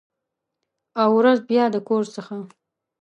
او، ورځ بیا د کور څخه